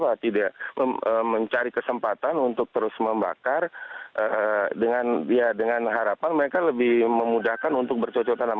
mereka sudah membuat perusahaan untuk terus membakar dengan harapan mereka lebih memudahkan untuk bercocok tanaman